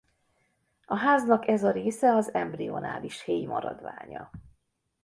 A háznak ez a része az embrionális héj maradványa.